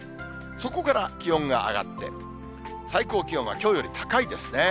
そこから気温が上がって、最高気温はきょうより高いですね。